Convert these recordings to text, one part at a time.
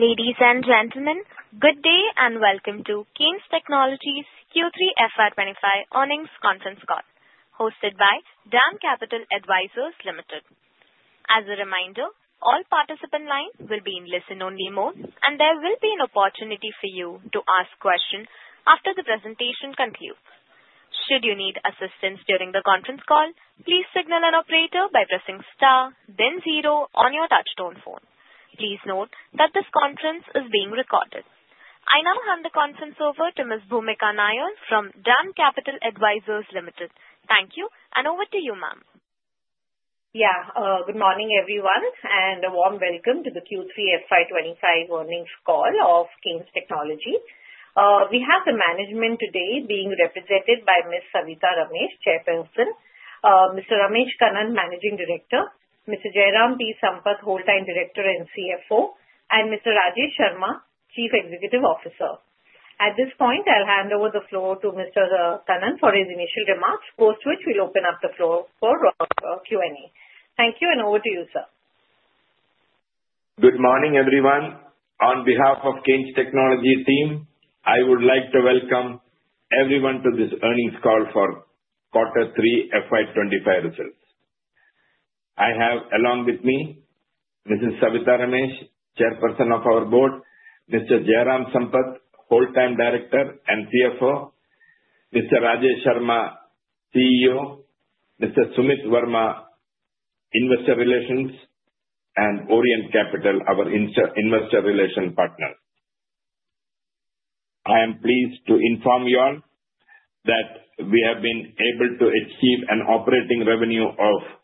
Ladies and gentlemen, good day and welcome to Kaynes Technology's Q3 FY 2025 earnings conference call, hosted by DAM Capital Advisors Limited. As a reminder, all participants' lines will be in listen-only mode, and there will be an opportunity for you to ask questions after the presentation concludes. Should you need assistance during the conference call, please signal an operator by pressing star, then zero on your touch-tone phone. Please note that this conference is being recorded. I now hand the conference over to Ms. Bhumika Nair from DAM Capital Advisors Limited. Thank you, and over to you, ma'am. Yeah, good morning, everyone, and a warm welcome to the Q3 FY 2025 earnings call of Kaynes Technology. We have the management today being represented by Ms. Savitha Ramesh, Chairperson, Mr. Ramesh Kunhikannan, Managing Director, Mr. Jairam P. Sampath, Whole Time Director and CFO, and Mr. Rajesh Sharma, Chief Executive Officer. At this point, I'll hand over the floor to Mr. Kunhikannan for his initial remarks, post which we'll open up the floor for Q&A. Thank you, and over to you, sir. Good morning, everyone. On behalf of Kaynes Technology team, I would like to welcome everyone to this earnings call for quarter three FY 2025 results. I have, along with me, Ms. Savitha Ramesh, Chairperson of our Board, Mr. Jairam P. Sampath, Whole Time Director and CFO, Mr. Rajesh Sharma, CEO, Mr. Sumit Verma, Investor Relations, and Orient Capital, our investor relations partners. I am pleased to inform you all that we have been able to achieve an operating revenue of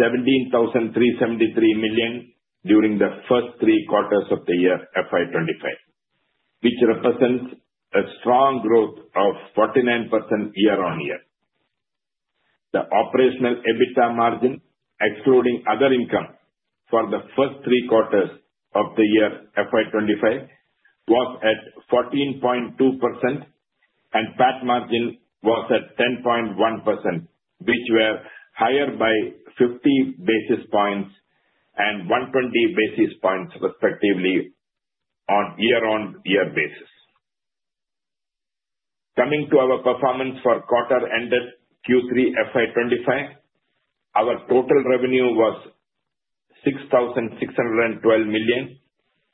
17,373 million during the first three quarters of the year FY 2025, which represents a strong growth of 49% year-on-year. The operational EBITDA margin, excluding other income for the first three quarters of the year FY 2025, was at 14.2%, and PAT margin was at 10.1%, which were higher by 50 basis points and 120 basis points, respectively, on year-on-year basis. Coming to our performance for Quarter-ended Q3 FY 2025, our total revenue was 6,612 million,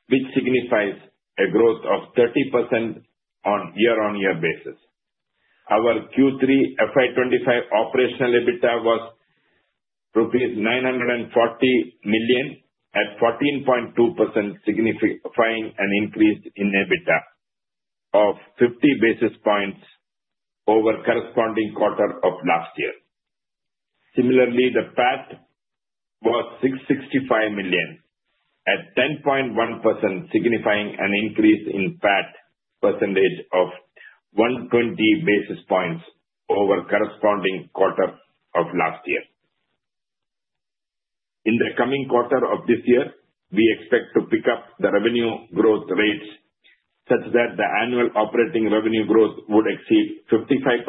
which signifies a growth of 30% on year-on-year basis. Our Q3 FY 2025 operational EBITDA was rupees 940 million at 14.2%, signifying an increase in EBITDA of 50 basis points over the corresponding quarter of last year. Similarly, the PAT was 665 million at 10.1%, signifying an increase in PAT percentage of 120 basis points over the corresponding quarter of last year. In the coming quarter of this year, we expect to pick up the revenue growth rates such that the annual operating revenue growth would exceed 55%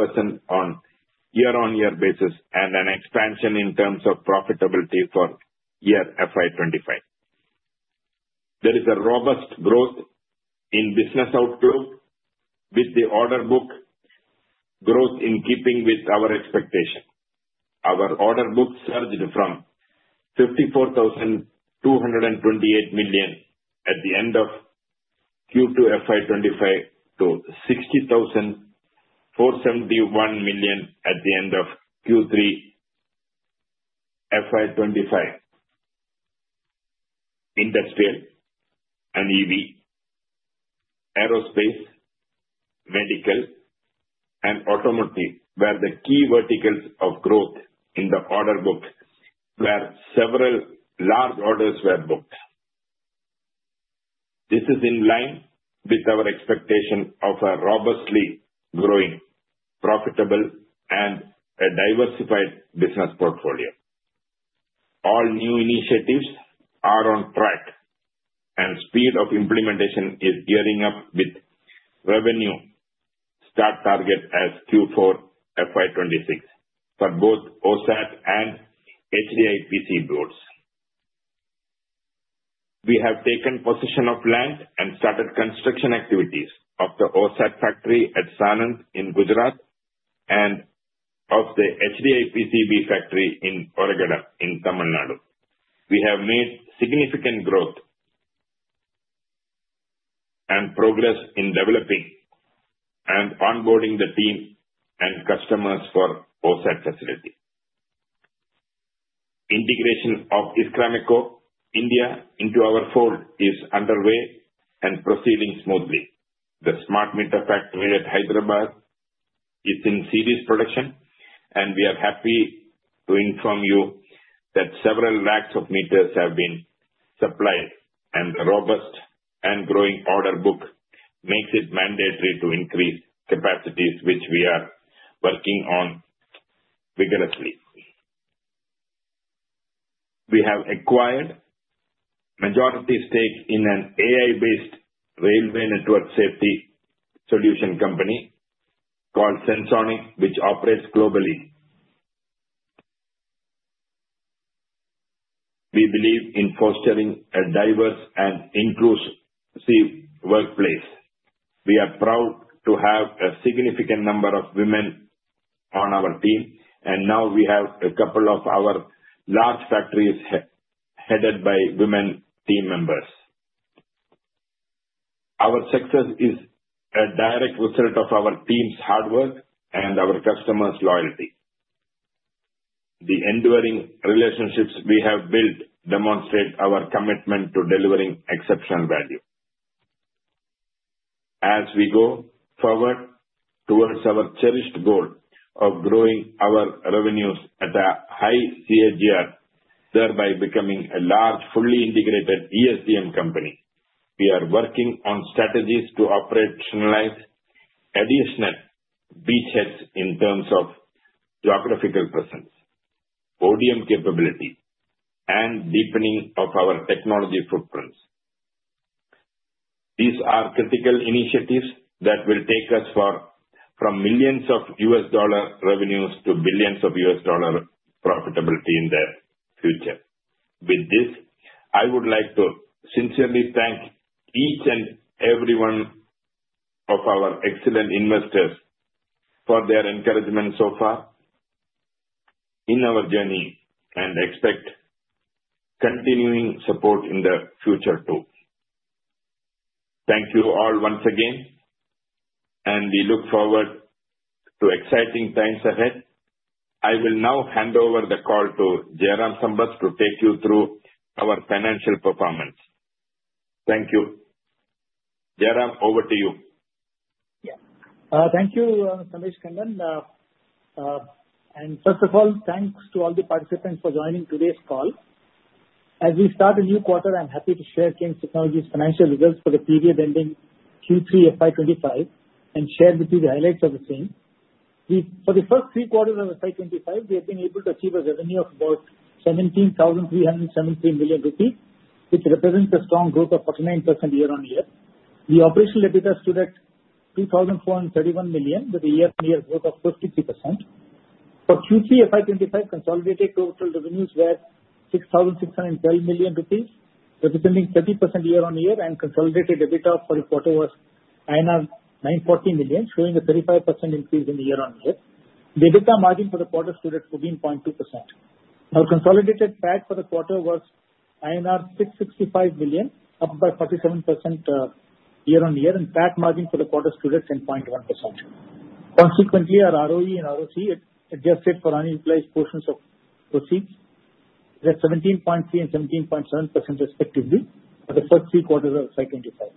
on year-on-year basis and an expansion in terms of profitability for year FY 2025. There is a robust growth in business outflow, with the order book growth in keeping with our expectation. Our order book surged from 54,228 million at the end of Q2 FY 2025 to 60,471 million at the end of Q3 FY 2025. Industrial and EV, aerospace, medical, and automotive were the key verticals of growth in the order book, where several large orders were booked. This is in line with our expectation of a robustly growing, profitable, and diversified business portfolio. All new initiatives are on track, and the speed of implementation is gearing up with revenue start target as Q4 FY 2026 for both OSAT and HDI PCB boards. We have taken possession of land and started construction activities of the OSAT factory at Sanand in Gujarat and of the HDI PCB factory in Oragadam in Tamil Nadu. We have made significant growth and progress in developing and onboarding the team and customers for the OSAT facility. Integration of Iskraemeco India into our fold is underway and prceeding smoothly. The smart meter factory at Hyderabad is in series production, and we are happy to inform you that several racks of meters have been supplied, and the robust and growing order book makes it mandatory to increase capacities, which we are working on vigorously. We have acquired a majority stake in an AI-based railway network safety solution company called Sensonic, which operates globally. We believe in fostering a diverse and inclusive workplace. We are proud to have a significant number of women on our team, and now we have a couple of our large factories headed by women team members. Our success is a direct result of our team's hard work and our customers' loyalty. The enduring relationships we have built demonstrate our commitment to delivering exceptional value. As we go forward towards our cherished goal of growing our revenues at a high CAGR, thereby becoming a large, fully integrated ESDM company, we are working on strategies to operationalize additional beachheads in terms of geographical presence, ODM capability, and deepening of our technology footprints. These are critical initiatives that will take us from millions of U.S. dollar revenues to billions of U.S. dollar profitability in the future. With this, I would like to sincerely thank each and every one of our excellent investors for their encouragement so far in our journey and expect continuing support in the future too. Thank you all once again, and we look forward to exciting times ahead. I will now hand over the call to Jairam Sampath to take you through our financial performance. Thank you. Jairam, over to you. Yeah. Thank you, Sumit Verma, and first of all, thanks to all the participants for joining today's call. As we start a new quarter, I'm happy to share Kaynes Technology's financial results for the period ending Q3 FY 2025 and share with you the highlights of the same. For the first three quarters of FY 2025, we have been able to achieve a revenue of about 17,373 million rupees, which represents a strong growth of 49% year-on-year. The operational EBITDA stood at 2,431 million, with a year-on-year growth of 53%. For Q3 FY 2025, consolidated total revenues were 6,612 million rupees, representing 30% year-on-year, and consolidated EBITDA for the quarter was 940 million, showing a 35% increase in year-on-year. The EBITDA margin for the quarter stood at 14.2%. Our consolidated PAT for the quarter was INR 665 million, up by 47% year-on-year, and PAT margin for the quarter stood at 10.1%. Consequently, our ROE and ROCE adjusted for unutilized portions of proceeds were 17.3% and 17.7%, respectively, for the first three quarters of FY 2025.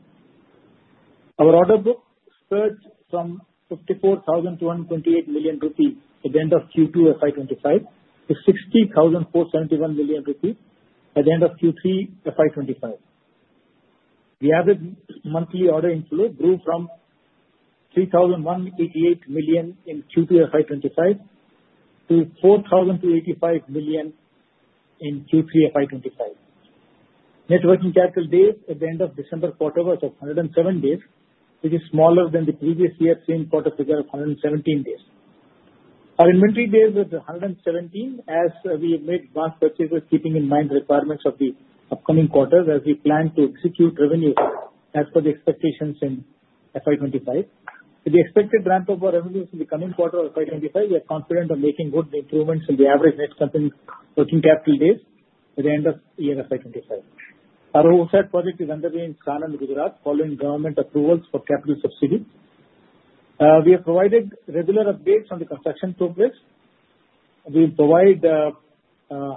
Our order book surged from 54,228 million rupees at the end of Q2 FY 2025 to 60,471 million rupees at the end of Q3 FY 2025. The average monthly order inflow grew from 3,188 million in Q2 FY 2025 to 4,285 million in Q3 FY 2025. Net working capital days at the end of December quarter was 107 days, which is smaller than the previous year's same quarter figure of 117 days. Our inventory days were 117, as we have made advance purchases, keeping in mind the requirements of the upcoming quarter, as we plan to execute revenues as per the expectations in FY 2025. With the expected ramp-up of revenues in the coming quarter of FY 2025, we are confident of making good improvements in the average net company working capital days at the end of year FY 2025. Our OSAT project is underway in Sanand, Gujarat, following government approvals for capital subsidies. We have provided regular updates on the construction progress. We provide,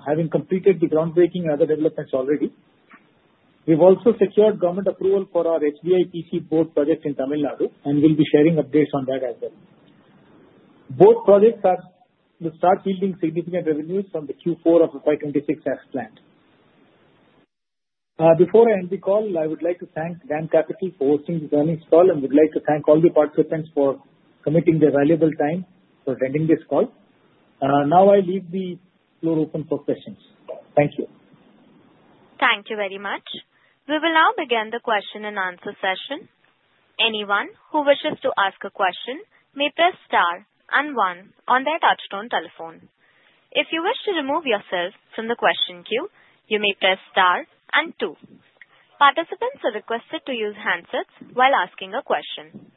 having completed the groundbreaking and other developments already. We've also secured government approval for our HDI PCB project in Tamil Nadu, and we'll be sharing updates on that as well. Both projects will start yielding significant revenues from the Q4 of FY 2026 as planned. Before I end the call, I would like to thank DAM Capital for hosting this earnings call, and I would like to thank all the participants for committing their valuable time for attending this call. Now I leave the floor open for questions. Thank you. Thank you very much. We will now begin the question-and-answer session. Anyone who wishes to ask a question may press star and one on their touch-tone telephone. If you wish to remove yourself from the question queue, you may press star and two. Participants are requested to use handsets while asking a question.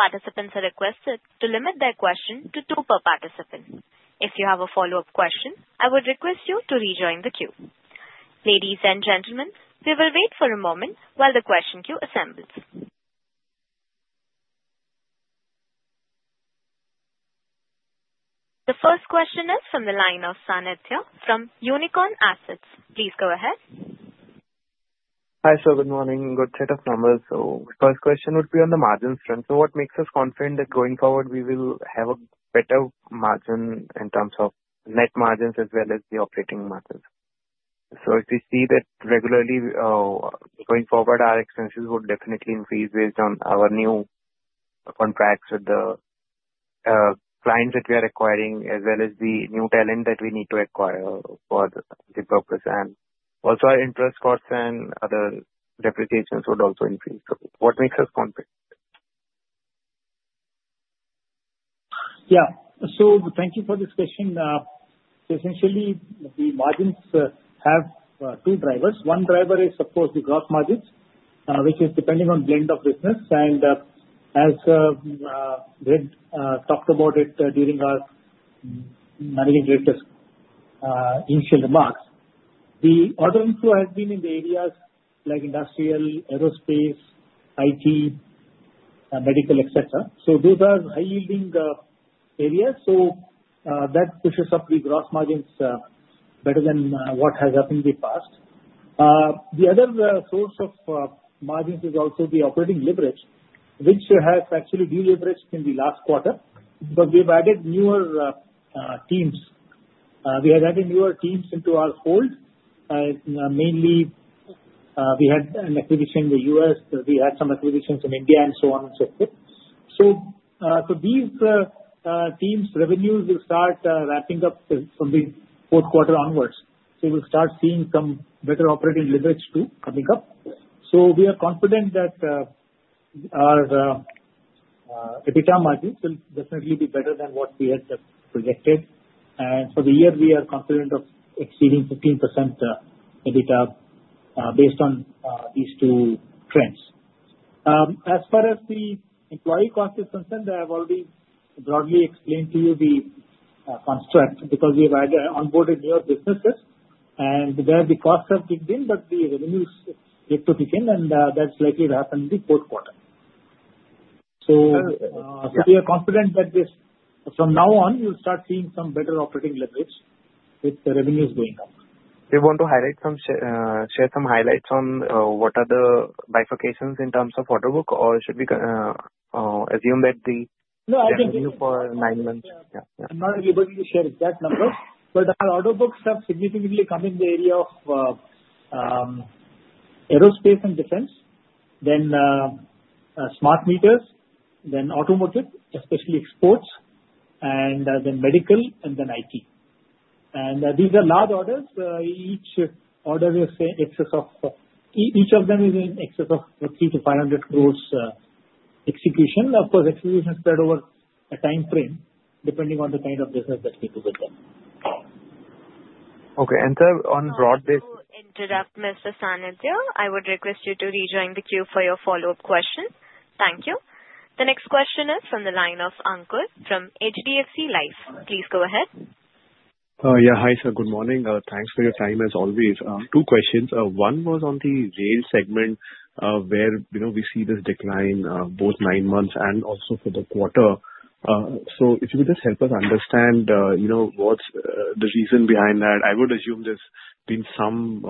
Participants are requested to limit their question to two per participant. If you have a follow-up question, I would request you to rejoin the queue. Ladies and gentlemen, we will wait for a moment while the question queue assembles. The first question is from the line of Sanitya from Unicorn Assets. Please go ahead. Hi, sir. Good morning. Good set of numbers. So the first question would be on the margins, friends. So what makes us confident that going forward we will have a better margin in terms of net margins as well as the operating margins? So if we see that regularly going forward, our expenses would definitely increase based on our new contracts with the clients that we are acquiring, as well as the new talent that we need to acquire for the purpose. And also, our interest costs and other depreciations would also increase. So what makes us confident? Yeah. So thank you for this question. Essentially, the margins have two drivers. One driver is, of course, the gross margins, which is depending on blend of business. And as Ramesh talked about it during our managing director's initial remarks, the order inflow has been in the areas like industrial, aerospace, IT, medical, etc. So those are high-yielding areas. So that pushes up the gross margins better than what has happened in the past. The other source of margins is also the operating leverage, which has actually deleveraged in the last quarter because we have added newer teams. We have added newer teams into our fold. Mainly, we had an acquisition in the U.S. We had some acquisitions in India and so on and so forth. So these teams' revenues will start ramping up from the fourth quarter onwards. So we'll start seeing some better operating leverage too coming up. We are confident that our EBITDA margins will definitely be better than what we had just projected. And for the year, we are confident of exceeding 15% EBITDA based on these two trends. As far as the employee cost is concerned, I have already broadly explained to you the construct because we have either onboarded newer businesses, and there the costs have kicked in, but the revenues did too kick in, and that's likely to happen in the fourth quarter. So we are confident that from now on, we'll start seeing some better operating leverage with the revenues going up. You want to share some highlights on what are the bifurcations in terms of order book, or should we assume that the revenue for nine months? No, I'm not able to share exact numbers, but our order books have significantly come in the area of aerospace and defense, then smart meters, then automotive, especially sports, and then medical, and then IT. These are large orders. Each order is in excess of 300-500 crores execution. Of course, execution spread over a time frame depending on the kind of business that we do with them. Okay and on broad basis. To interrupt Mr. Sanithya, I would request you to rejoin the queue for your follow-up question. Thank you. The next question is from the line of Ankur from HDFC Life. Please go ahead. Yeah. Hi, sir. Good morning. Thanks for your time as always. Two questions. One was on the rail segment where we see this decline both nine months and also for the quarter. So if you could just help us understand what's the reason behind that. I would assume there's been some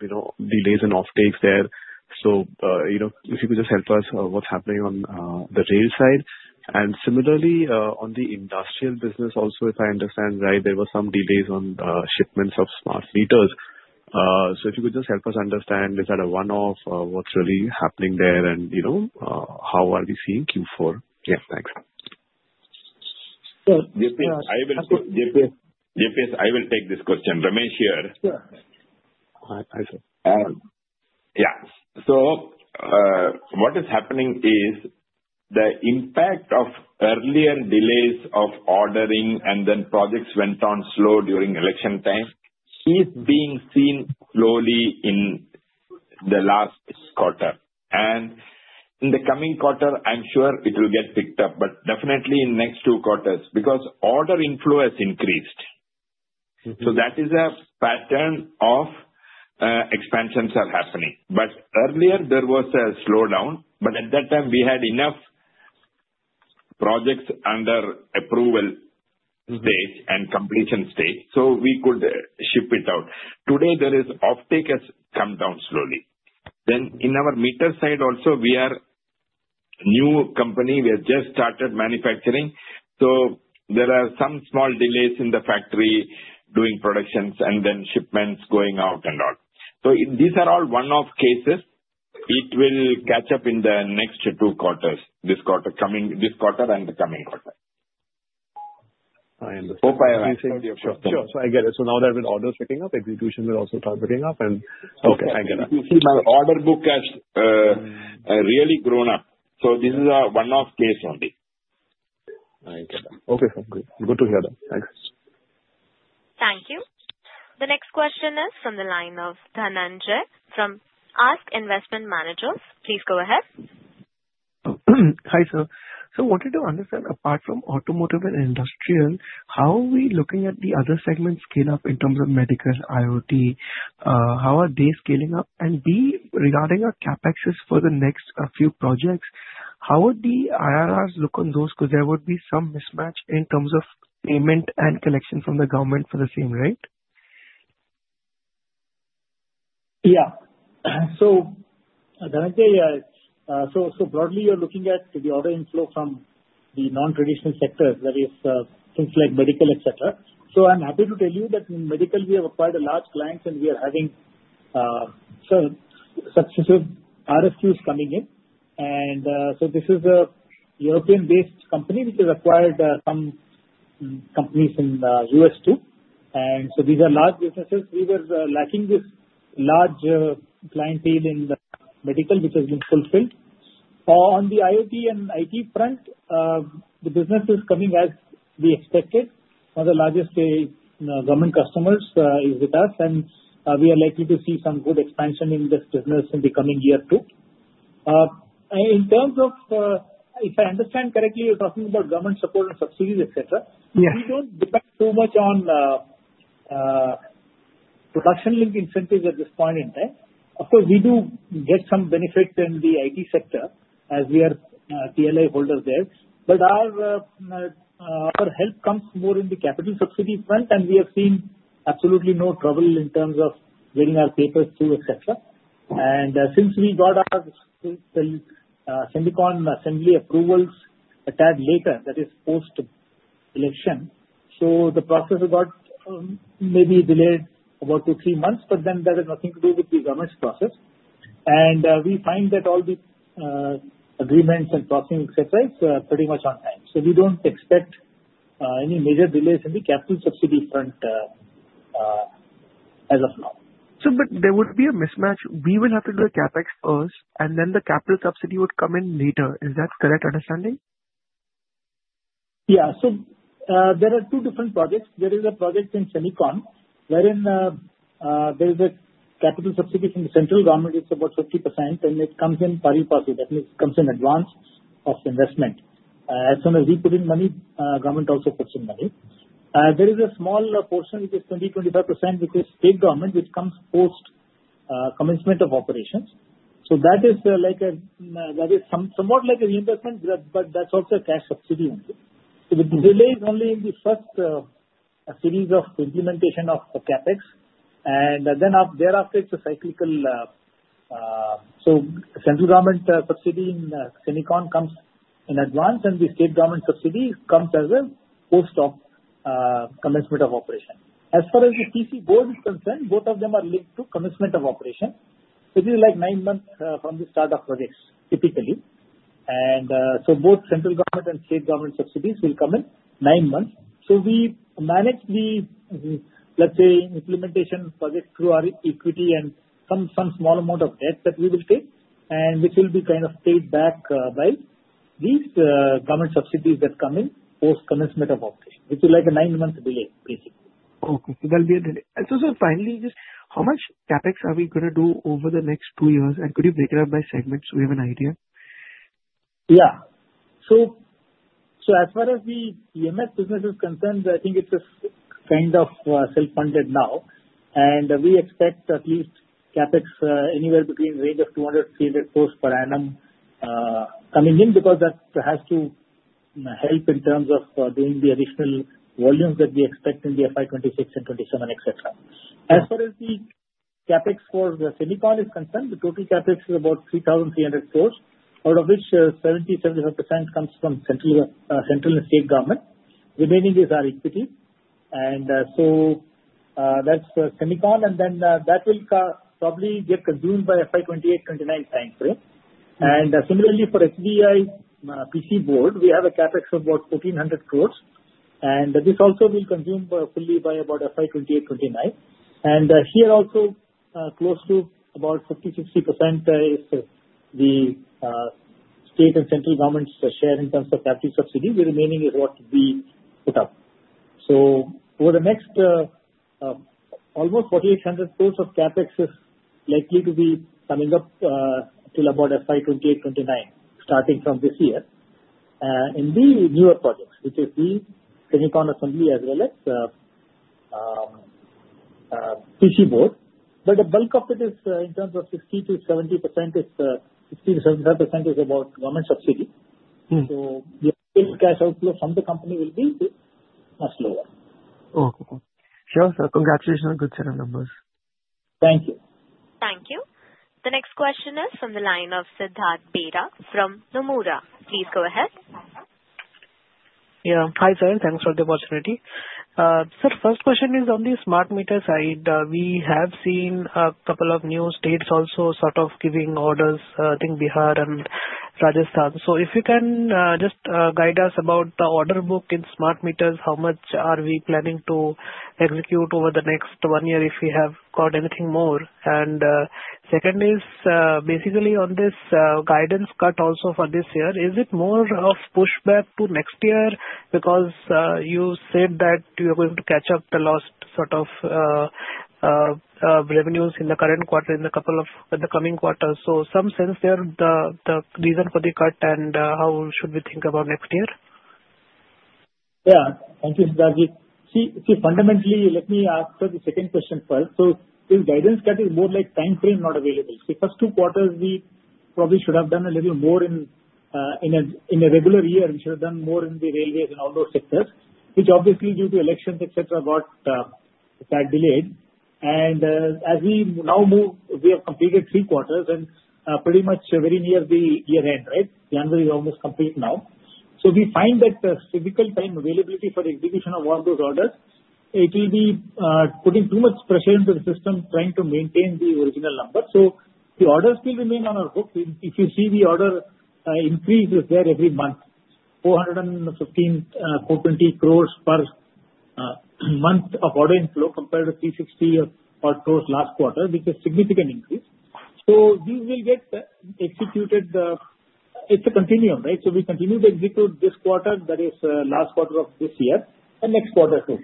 delays and offtakes there. So if you could just help us, what's happening on the rail side? And similarly, on the industrial business also, if I understand right, there were some delays on shipments of smart meters. So if you could just help us understand, is that a one-off? What's really happening there, and how are we seeing Q4? Yeah. Thanks. Yes, JPS. I will take this question. Ramesh here. Hi, sir. Yeah. So what is happening is the impact of earlier delays of ordering and then projects went on slow during election time is being seen slowly in the last quarter. And in the coming quarter, I'm sure it will get picked up, but definitely in the next two quarters because order inflow has increased. So that is a pattern of expansions are happening. But earlier, there was a slowdown, but at that time, we had enough projects under approval stage and completion stage so we could ship it out. Today, there is offtake has come down slowly. Then in our meter side also, we are a new company. We have just started manufacturing. So there are some small delays in the factory doing productions and then shipments going out and all. So these are all one-off cases. It will catch up in the next two quarters, this quarter and the coming quarter. I understand. Sure. Sure. So I get it. So now that with orders picking up, execution will also start picking up. And okay. I get it. You see, my order book has really grown up. So this is a one-off case only. I get it. Okay. Sounds good. Good to hear that. Thanks. Thank you. The next question is from the line of Dhananjay from ASK Investment Managers. Please go ahead. Hi, sir. So I wanted to understand, apart from automotive and industrial, how are we looking at the other segments scale up in terms of medical, IoT? How are they scaling up? And regarding our capexes for the next few projects, how would the IRRs look on those? Because there would be some mismatch in terms of payment and collection from the government for the same rate. Yeah. So broadly, you're looking at the order inflow from the non-traditional sectors, that is, things like medical, etc. So I'm happy to tell you that in medical, we have acquired a large client, and we are having some successive RFQs coming in. And so this is a European-based company which has acquired some companies in the U.S. too. And so these are large businesses. We were lacking this large clientele in medical, which has been fulfilled. On the IoT and IT front, the business is coming as we expected. One of the largest government customers is with us, and we are likely to see some good expansion in this business in the coming year too. In terms of, if I understand correctly, you're talking about government support and subsidies, etc. We don't depend too much on production-linked incentives at this point in time. Of course, we do get some benefits in the IT sector as we are TLA holders there. But our help comes more in the capital subsidy front, and we have seen absolutely no trouble in terms of getting our papers through, etc. And since we got our Silicon Assembly approvals a tad later, that is post-election, so the process got maybe delayed about two or three months, but then that has nothing to do with the government's process. And we find that all the agreements and processes, etc., it's pretty much on time. So we don't expect any major delays in the capital subsidy front as of now. Sir, but there would be a mismatch. We will have to do the Capex first, and then the capital subsidy would come in later. Is that the correct understanding? Yeah. So there are two different projects. There is a project in Sanand wherein there is a capital subsidy from the central government. It's about 50%, and it comes in pari passu. That means it comes in advance of investment. As soon as we put in money, government also puts in money. There is a small portion, which is 20-25%, which is state government, which comes post-commencement of operations. So that is somewhat like a reinvestment, but that's also a cash subsidy only. So the delay is only in the first series of implementation of the Capex. And then thereafter, it's a cyclical. So central government subsidy in Sanand comes in advance, and the state government subsidy comes as well post-commencement of operation. As far as the PCB board is concerned, both of them are linked to commencement of operation. It is like nine months from the start of projects, typically. And so both central government and state government subsidies will come in nine months. So we manage the, let's say, implementation project through our equity and some small amount of debt that we will take, and which will be kind of paid back by these government subsidies that come in post-commencement of operation, which is like a nine-month delay, basically. Okay. So there'll be a delay. So finally, just how much CapEx are we going to do over the next two years? And could you break it up by segments so we have an idea? Yeah. So as far as the EMS business is concerned, I think it's kind of self-funded now. And we expect at least CapEx anywhere between the range of 200-300 crores per annum coming in because that has to help in terms of doing the additional volumes that we expect in the FY 2026 and 27, etc. As far as the CapEx for the OSAT is concerned, the total CapEx is about 3,300 crores, out of which 70%-75% comes from central and state government. Remaining is our equity. And so that's OSAT. And then that will probably get consumed by FY 2028, 29 time frame. And similarly, for HDI PCB, we have a CapEx of about 1,400 crores. And this also will consume fully by about FY 2028, 2029. And here also, close to about 50%-60% is the state and central government's share in terms of CapEx subsidy. The remaining is what we put up. So over the next almost 4,800 crore of CapEx is likely to be coming up till about FY 2028, FY 2029, starting from this year in the newer projects, which is the semicon assembly as well as PCB. But the bulk of it is in terms of 60%-75% is about government subsidy. So the cash outflow from the company will be much lower. Okay. Sure. So congratulations on a good set of numbers. Thank you. Thank you. The next question is from the line of Siddhartha Bera from Nomura. Please go ahead. Yeah. Hi, sir. Thanks for the opportunity. Sir, first question is on the smart meters side. We have seen a couple of new states also sort of giving orders, I think Bihar and Rajasthan. So if you can just guide us about the order book in smart meters, how much are we planning to execute over the next one year if we have got anything more? And second is, basically on this guidance cut also for this year, is it more of pushback to next year because you said that you are going to catch up the lost sort of revenues in the current quarter, in the coming quarter? So in some sense, the reason for the cut and how should we think about next year? Yeah. Thank you, Siddharth. See, fundamentally, let me ask the second question first. So this guidance cut is more like time frame not available. The first two quarters, we probably should have done a little more in a regular year. We should have done more in the railways and all those sectors, which obviously, due to elections, etc., got delayed. And as we now move, we have completed three quarters and pretty much very near the year-end, right? January is almost complete now. So we find that the physical time availability for the execution of all those orders, it will be putting too much pressure into the system trying to maintain the original number. So the orders will remain on our books. If you see the order increase is there every month, 420 crores per month of order inflow compared to 360 crores last quarter, which is a significant increase. So these will get executed. It's a continuum, right? So we continue to execute this quarter, that is last quarter of this year, and next quarter too.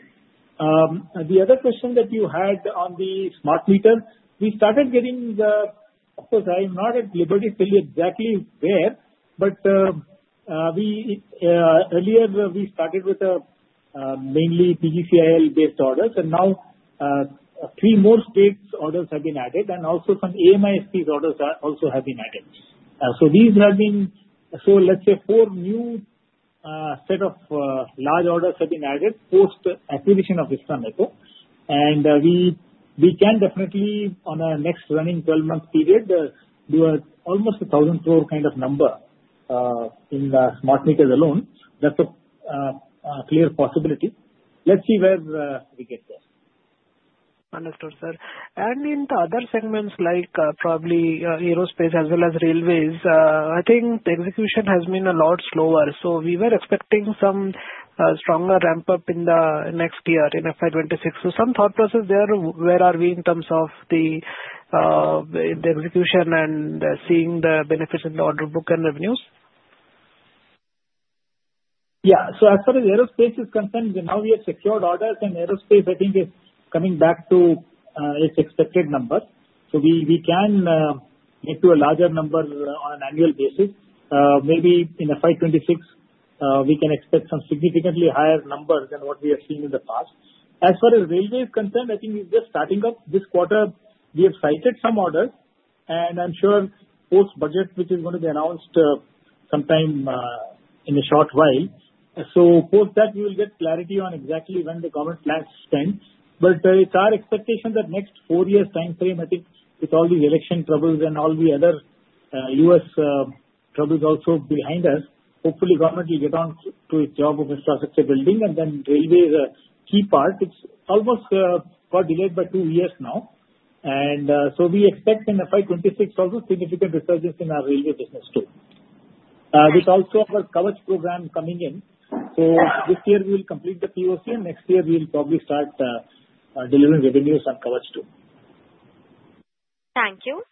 The other question that you had on the smart meter, we started getting the, of course, I am not at liberty to tell you exactly where, but earlier, we started with mainly PGCIL-based orders, and now three more states' orders have been added, and also some AMISP's orders also have been added. So these have been, so let's say four new sets of large orders have been added post-acquisition of Iskraemeco. And we can definitely, on a next running 12-month period, do almost 1,000 crore kind of number in the smart meters alone. That's a clear possibility. Let's see where we get there. Understood, sir. And in the other segments, like probably aerospace as well as railways, I think the execution has been a lot slower. So we were expecting some stronger ramp-up in the next year in FY 2026. So some thought process there. Where are we in terms of the execution and seeing the benefits in the order book and revenues? Yeah. So as far as aerospace is concerned, now we have secured orders, and aerospace, I think, is coming back to its expected number. So we can get to a larger number on an annual basis. Maybe in FY 2026, we can expect some significantly higher numbers than what we have seen in the past. As far as railways concerned, I think we're just starting up this quarter. We have secured some orders, and I'm sure post-budget, which is going to be announced sometime in a short while. So post that, we will get clarity on exactly when the government plans to spend. But it's our expectation that next four years' time frame, I think, with all these election troubles and all the other U.S. troubles also behind us, hopefully, government will get on to its job of infrastructure building. And then railway is a key part. It's almost got delayed by two years now, and so we expect in FY 2026 also significant resurgence in our railway business too, with also our Kavach program coming in, so this year, we will complete the POC, and next year, we will probably start delivering revenues on Kavach too. Thank you.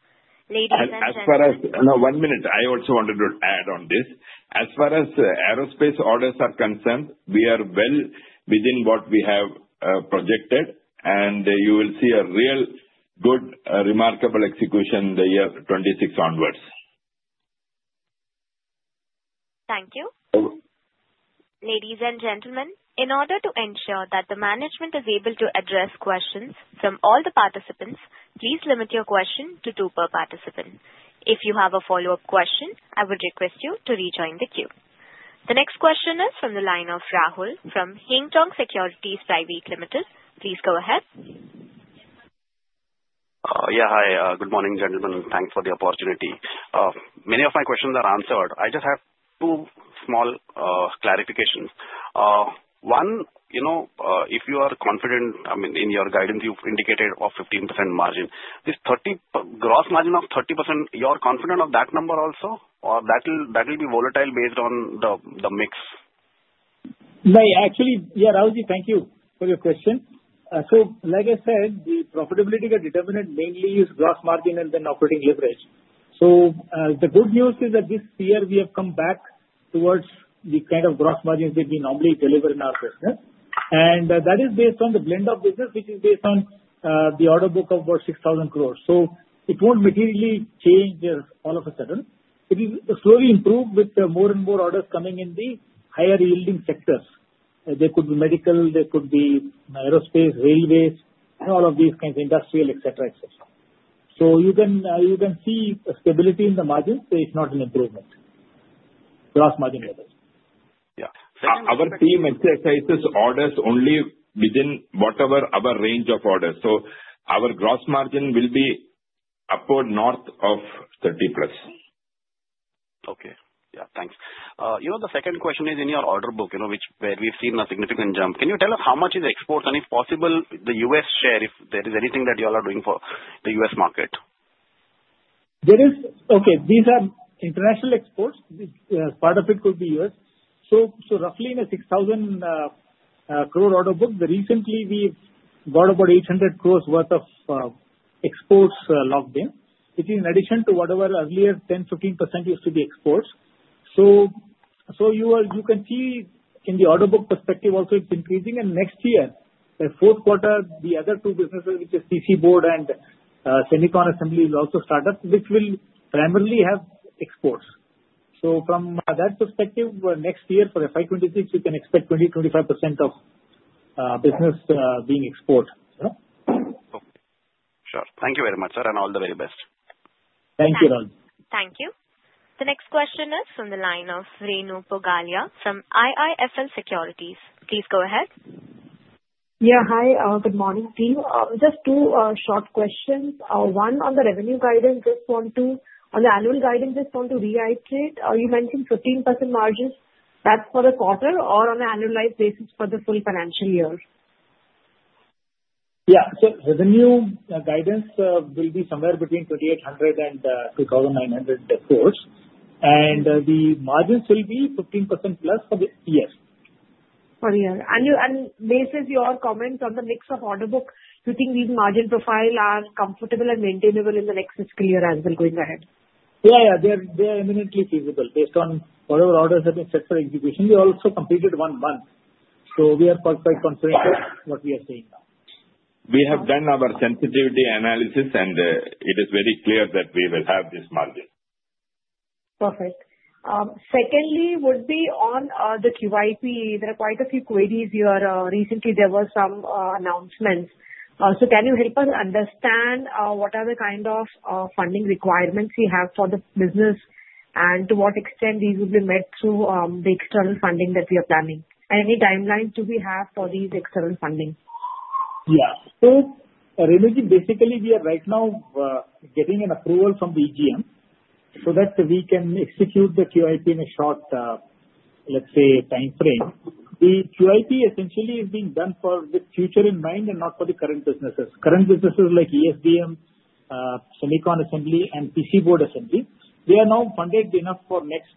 Ladies and gentlemen. As far as. No, one minute. I also wanted to add on this. As far as aerospace orders are concerned, we are well within what we have projected, and you will see a real good, remarkable execution in the year 2026 onwards. Thank you. Ladies and gentlemen, in order to ensure that the management is able to address questions from all the participants, please limit your question to two per participant. If you have a follow-up question, I would request you to rejoin the queue. The next question is from the line of Rahul from Haitong Securities. Please go ahead. Yeah. Hi. Good morning, gentlemen. Thanks for the opportunity. Many of my questions are answered. I just have two small clarifications. One, if you are confident, I mean, in your guidance, you've indicated a 15% margin. This gross margin of 30%, you are confident of that number also, or that will be volatile based on the mix? Right. Actually, yeah, Rahul, thank you for your question. So like I said, the profitability got determined mainly with gross margin and then operating leverage. So the good news is that this year, we have come back towards the kind of gross margins that we normally deliver in our business. And that is based on the blend of business, which is based on the order book of about 6,000 crores. So it won't materially change all of a sudden. It will slowly improve with more and more orders coming in the higher-yielding sectors. There could be medical, there could be aerospace, railways, all of these kinds of industrial, etc., etc. So you can see stability in the margins, but it's not an improvement, gross margin levels. Yeah. Our team exercises orders only within whatever our range of orders. So our gross margin will be upward north of 30+. Okay. Yeah. Thanks. The second question is in your order book, where we've seen a significant jump. Can you tell us how much is exports and, if possible, the U.S. share, if there is anything that you all are doing for the U.S. market? Okay. These are international exports. Part of it could be U.S. So roughly in an 6,000 crore order book, recently, we've got about 800 crores worth of exports locked in, which is in addition to whatever earlier 10%-15% used to be exports. So you can see in the order book perspective also, it's increasing. And next year, the fourth quarter, the other two businesses, which are PCB and OSAT, will also start up, which will primarily have exports. So from that perspective, next year for FY 2026, we can expect 20%-25% of business being export. Okay. Sure. Thank you very much, sir, and all the very best. Thank you, Rahul. Thank you. The next question is from the line of Renu Pogalia from IIFL Securities. Please go ahead. Yeah. Hi. Good morning, team. Just two short questions. One on the revenue guidance, on the annual guidance, just want to reiterate. You mentioned 15% margins. That's for the quarter or on an annualized basis for the full financial year? Yeah. So revenue guidance will be somewhere between 2,800 crores and 2,900 crores. And the margins will be 15%+ for the year. For the year, and based on your comments on the mix of order book, you think these margin profiles are comfortable and maintainable in the next fiscal year as well going ahead? Yeah. Yeah. They are eminently feasible based on whatever orders have been set for execution. We also completed one month. So we are quite confident of what we are seeing now. We have done our sensitivity analysis, and it is very clear that we will have this margin. Perfect. Secondly would be on the QIP. There are quite a few queries here. Recently, there were some announcements. So can you help us understand what are the kind of funding requirements you have for the business and to what extent these will be met through the external funding that we are planning? Any timeline do we have for these external funding? Yeah. So Renu, basically, we are right now getting an approval from EGM so that we can execute the QIP in a short, let's say, time frame. The QIP essentially is being done with future in mind and not for the current businesses. Current businesses like ESDM, Silicon Assembly, and PC board assembly, they are now funded enough for next,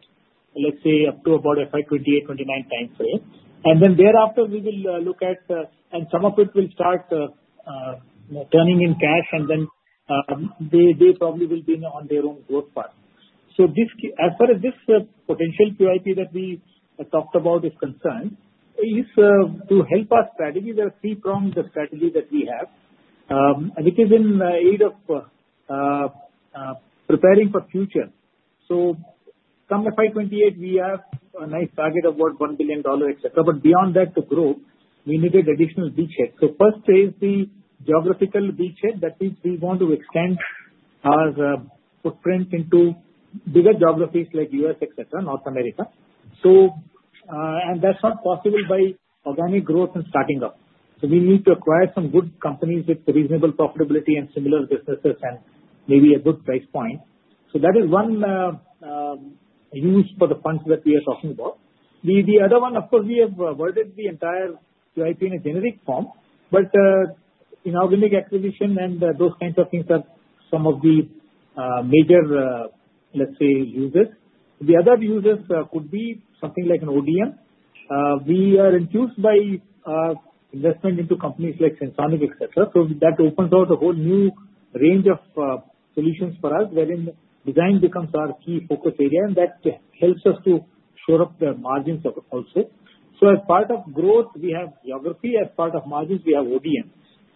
let's say, up to about FY 2028, FY 2029 time frame. And then thereafter, we will look at—and some of it will start turning in cash, and then they probably will be on their own growth path. So as far as this potential QIP that we talked about is concerned, to help our strategy, there are three prongs of strategy that we have, which is in the aid of preparing for future. So come FY 2028, we have a nice target of about $1 billion, etc. But beyond that to grow, we needed additional beachhead. So first is the geographical beachhead. That means we want to extend our footprint into bigger geographies like U.S., etc., North America. And that's not possible by organic growth and starting up. So we need to acquire some good companies with reasonable profitability and similar businesses and maybe a good price point. So that is one use for the funds that we are talking about. The other one, of course, we have avoided the entire QIP in a generic form, but inorganic acquisition and those kinds of things are some of the major, let's say, users. The other users could be something like an ODM. We are enthused by investment into companies like Sensonic, etc. So that opens out a whole new range of solutions for us, wherein design becomes our key focus area, and that helps us to shore up the margins also. So as part of growth, we have geography. As part of margins, we have ODM.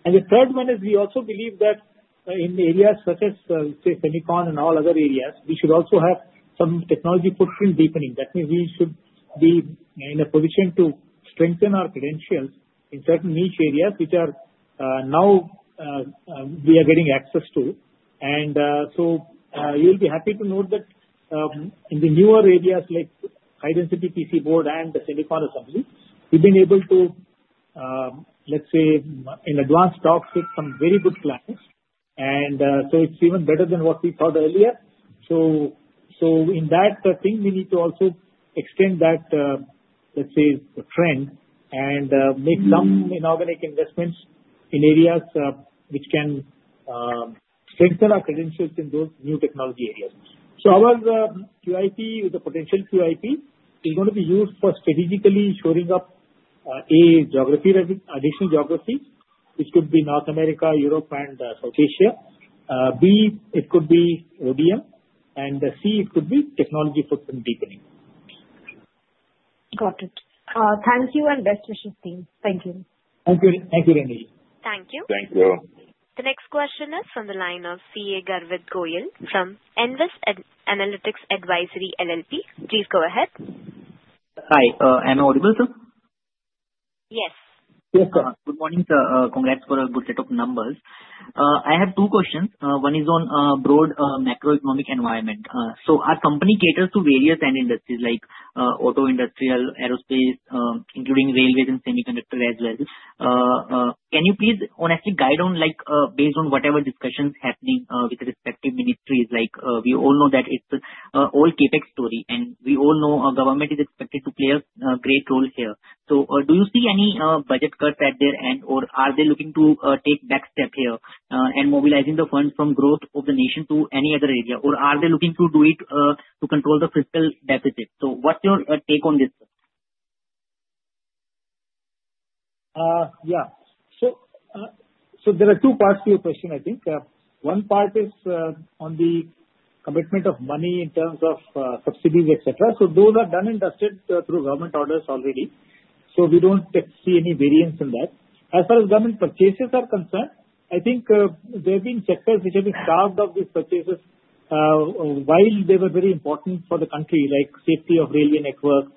And the third one is we also believe that in areas such as, say, silicon and all other areas, we should also have some technology footprint deepening. That means we should be in a position to strengthen our credentials in certain niche areas, which are now we are getting access to. And so you'll be happy to note that in the newer areas like high-density PC board and the silicon assembly, we've been able to, let's say, in advanced talks, get some very good clients. And so it's even better than what we thought earlier. So in that thing, we need to also extend that, let's say, trend and make some inorganic investments in areas which can strengthen our credentials in those new technology areas. So our QIP, the potential QIP, is going to be used for strategically shoring up, A, geography, additional geographies, which could be North America, Europe, and South Asia. B, it could be ODM. And C, it could be technology footprint deepening. Got it. Thank you and best wishes, team. Thank you. Thank you, Renu. Thank you. Thank you. The next question is from the line of CA Garvit Goyal from Nvest Analytics Advisory LLP. Please go ahead. Hi. Am I audible still? Yes. Yes, Sahan. Good morning. Congrats for a good set of numbers. I have two questions. One is on broad macroeconomic environment. So our company caters to various end industries like auto industrial, aerospace, including railways and semiconductor as well. Can you please honestly guide on based on whatever discussions happening with the respective ministries? We all know that it's an old CapEx story, and we all know our government is expected to play a great role here. So do you see any budget cuts at their end, or are they looking to take a backstep here and mobilizing the funds from growth of the nation to any other area? Or are they looking to do it to control the fiscal deficit? So what's your take on this? Yeah. So there are two parts to your question, I think. One part is on the commitment of money in terms of subsidies, etc. So those are done and dusted through government orders already. So we don't see any variance in that. As far as government purchases are concerned, I think there have been sectors which have been starved of these purchases while they were very important for the country, like safety of railway network,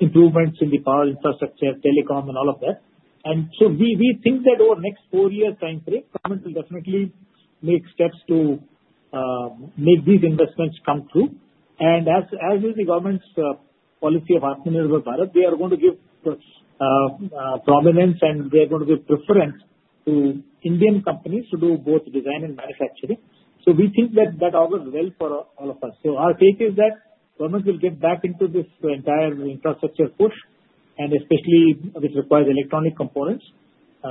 improvements in the power infrastructure, telecom, and all of that. And so we think that over the next four years' time frame, government will definitely make steps to make these investments come true. And as is the government's policy of Aatmanirbhar Bharat, they are going to give prominence, and they are going to give preference to Indian companies to do both design and manufacturing. So we think that that augurs well for all of us. So our take is that government will get back into this entire infrastructure push, and especially which requires electronic components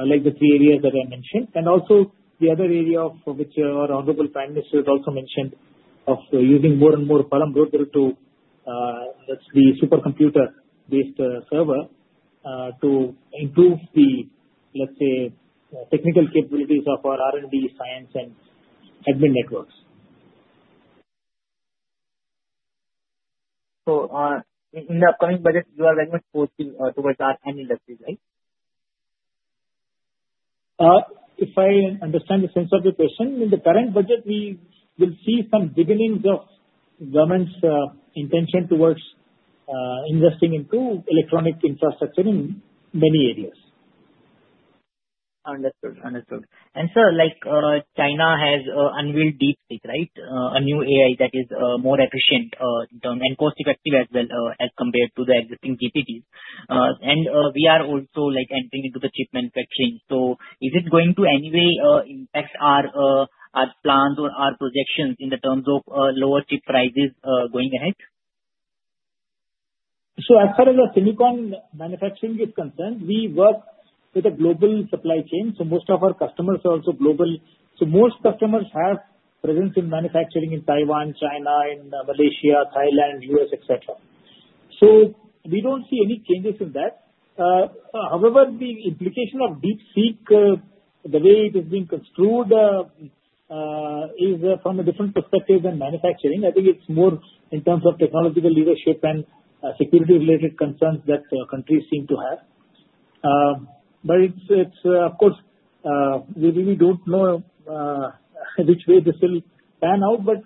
like the three areas that I mentioned. And also the other area of which our Honorable Prime Minister has also mentioned of using more and more Param Rudra to, that's the supercomputer-based server, to improve the, let's say, technical capabilities of our R&D, science, and admin networks. So in the upcoming budget, you are very much focusing towards our end industries, right? If I understand the sense of your question, in the current budget, we will see some beginnings of government's intention towards investing into electronic infrastructure in many areas. Understood. Understood. And sir, China has unveiled DeepSeek, right? A new AI that is more efficient and cost-effective as well as compared to the existing GPTs. And we are also entering into the chip manufacturing. So is it going to any way impact our plans or our projections in the terms of lower chip prices going ahead? So as far as the silicon manufacturing is concerned, we work with a global supply chain. So most of our customers are also global. So most customers have presence in manufacturing in Taiwan, China, in Malaysia, Thailand, U.S., etc. So we don't see any changes in that. However, the implication of DeepSeek, the way it is being construed, is from a different perspective than manufacturing. I think it's more in terms of technological leadership and security-related concerns that countries seem to have. But of course, we really don't know which way this will pan out, but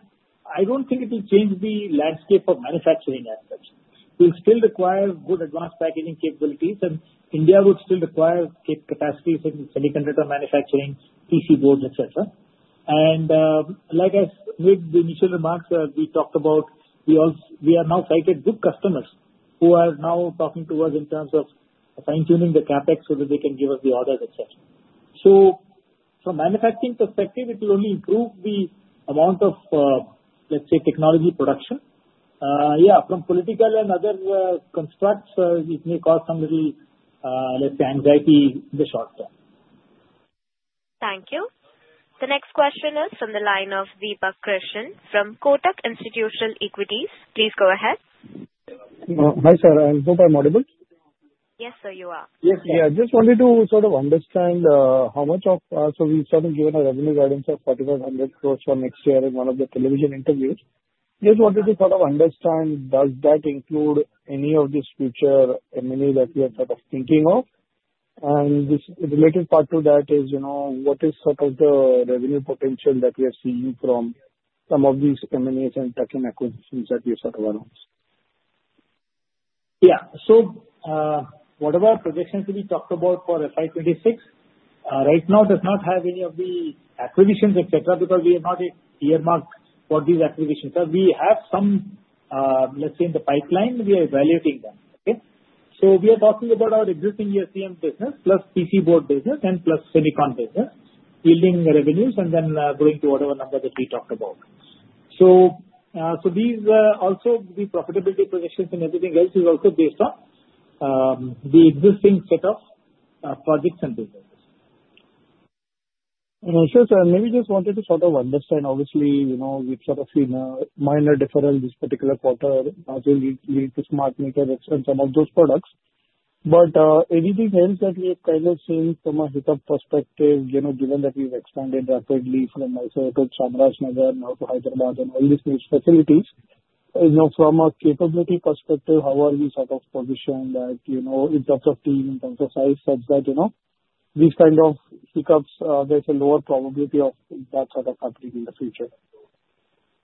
I don't think it will change the landscape of manufacturing aspects. It will still require good advanced packaging capabilities, and India would still require capacities in semiconductor manufacturing, PC boards, etc. Like I made the initial remarks, we talked about we are now cited good customers who are now talking to us in terms of fine-tuning the Capex so that they can give us the orders, etc. From a manufacturing perspective, it will only improve the amount of, let's say, technology production. Yeah. From political and other contexts, it may cause some little, let's say, anxiety in the short term. Thank you. The next question is from the line of Deepak Krishnan from Kotak Institutional Equities. Please go ahead. Hi, Sahan. I'm I audible. Yes, sir, you are. Yes. Yeah. I just wanted to sort of understand how much of so we've sort of given a revenue guidance of 4,500 crores for next year in one of the television interviews. Just wanted to sort of understand, does that include any of these future M&A that we are sort of thinking of? And the related part to that is what is sort of the revenue potential that we are seeing from some of these M&As and tech acquisitions that we have sort of announced? Yeah. So whatever projections we talked about for FY 2026, right now, does not have any of the acquisitions, etc., because we have not earmarked for these acquisitions. We have some, let's say, in the pipeline. We are evaluating them. Okay? So we are talking about our existing ESDM business plus PCB business and plus silicon business, building revenues and then going to whatever number that we talked about. So these also the profitability projections and everything else is also based on the existing set of projects and businesses. And also, sir, maybe just wanted to sort of understand, obviously, we've sort of seen a minor deferral this particular quarter due to smart meter and some of those products. But anything else that we have kind of seen from a hiccup perspective, given that we've expanded rapidly from, I said, Chamarajanagar now to Hyderabad and all these new facilities, from a capability perspective, how are we sort of positioned in terms of team, in terms of size, such that these kind of hiccups, there's a lower probability of that sort of happening in the future?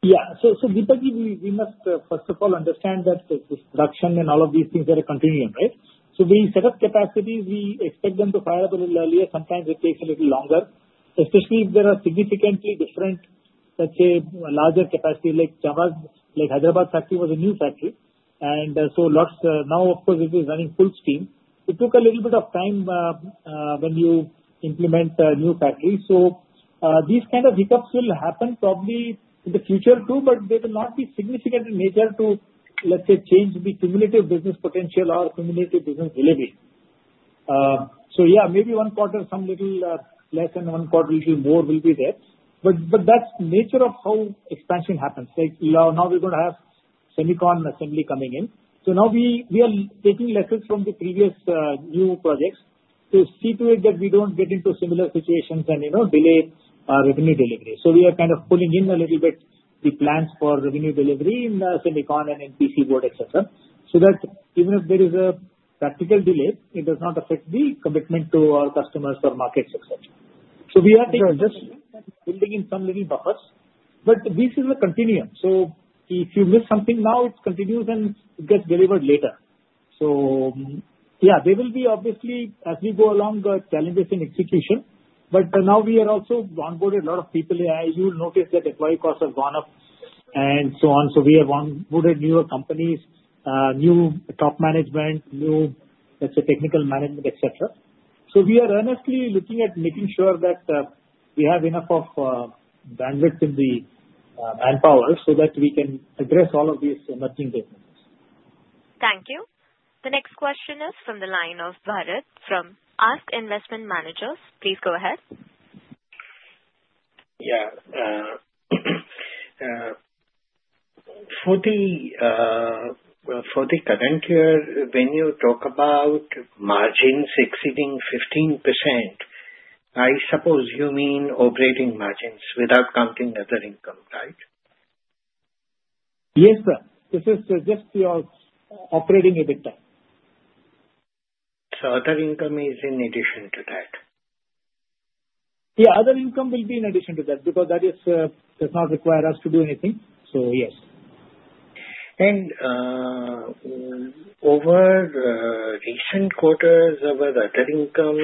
Yeah. So Deepak, we must first of all understand that this production and all of these things are a continuum, right? So when we set up capacities, we expect them to fire up a little earlier. Sometimes it takes a little longer, especially if there are significantly different, let's say, larger capacities like Hyderabad factory was a new factory. And so now, of course, it is running full steam. It took a little bit of time when you implement a new factory. So these kind of hiccups will happen probably in the future too, but they will not be significant in nature to, let's say, change the cumulative business potential or cumulative business delivery. So yeah, maybe one quarter, some little less than one quarter, little more will be there. But that's the nature of how expansion happens. Now we're going to have Silicon Assembly coming in. So now we are taking lessons from the previous new projects to see to it that we don't get into similar situations and delay our revenue delivery. So we are kind of pulling in a little bit the plans for revenue delivery in silicon and in PCB, etc., so that even if there is a practical delay, it does not affect the commitment to our customers or markets, etc. So we are just building in some little buffers. But this is a continuum. So if you miss something now, it continues and it gets delivered later. So yeah, there will be obviously, as we go along, challenges in execution. But now we have also onboarded a lot of people. You'll notice that employee costs have gone up and so on. So we have onboarded newer companies, new top management, new, let's say, technical management, etc. So we are earnestly looking at making sure that we have enough of bandwidth in the manpower so that we can address all of these emerging businesses. Thank you. The next question is from the line of Bharat from ASK Investment Managers. Please go ahead. Yeah. For the current year, when you talk about margins exceeding 15%, I suppose you mean operating margins without counting other income, right? Yes, sir. This is just your operating EBITDA. Other income is in addition to that? Yeah. Other income will be in addition to that because that does not require us to do anything. So yes. And over recent quarters, our other income